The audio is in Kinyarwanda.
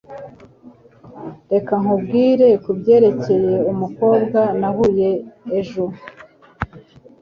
Reka nkubwire kubyerekeye umukobwa nahuye ejo.